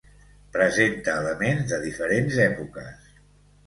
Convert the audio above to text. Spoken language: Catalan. Presenta elements de diferents èpoques.